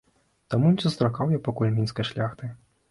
Таму не сустракаў я пакуль мінскай шляхты.